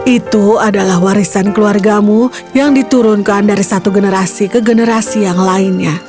itu adalah warisan keluargamu yang diturunkan dari satu generasi ke generasi yang lainnya